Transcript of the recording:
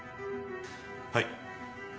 はい。